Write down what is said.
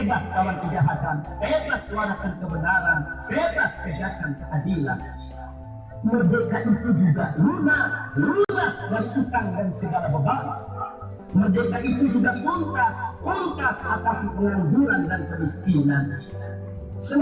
bebas dalam kejahatan bebas suara terkebenaran bebas kejahatan keadilan